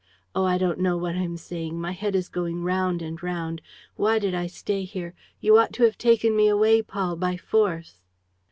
Oh, I don't know what I'm saying! My head is going round and round. Why did I stay here? You ought to have taken me away, Paul, by force.